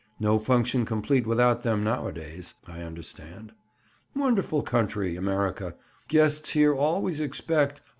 "No function complete without them nowadays, I understand. Wonderful country, America! Guests here always expect—aw!